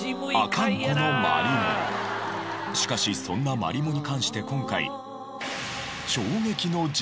しかしそんなマリモに関して今回。